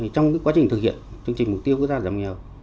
trong quá trình thực hiện chương trình mục tiêu quốc gia giảm nghèo